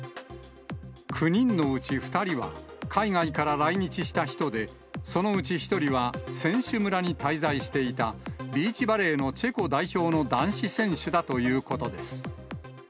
９人のうち２人は、海外から来日した人で、そのうち１人は選手村に滞在していた、ビーチバレーのチェコ代表の男子選手だということです。